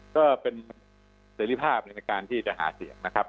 ก็เป็นเสร็จภาพในการที่จะหาเสียงนะครับ